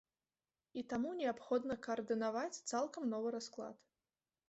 І таму неабходна каардынаваць цалкам новы расклад.